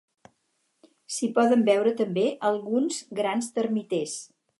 S'hi poden veure també alguns grans termiters.